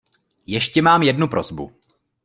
Ještě mám jednu prosbu.